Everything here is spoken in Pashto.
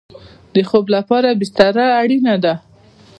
د خوب لپاره بستره اړین ده